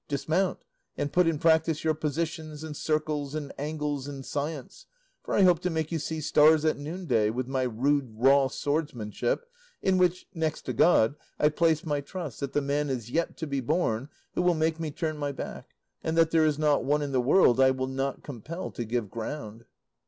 Dismount and put in practice your positions and circles and angles and science, for I hope to make you see stars at noonday with my rude raw swordsmanship, in which, next to God, I place my trust that the man is yet to be born who will make me turn my back, and that there is not one in the world I will not compel to give ground."